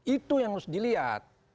itu yang harus dilihat